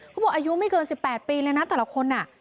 พวกอายุไม่เกินสิบแปดปีเลยนะแต่ละคนน่ะ